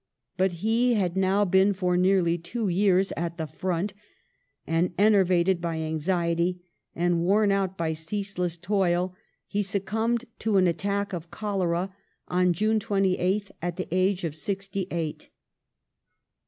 But he had now been for neai ly two years at the front ; and, enervated by anxiety and worn out by ceaseless toil, he suc cumbed to an attack of cholera on June 28th at the age of sixty eight.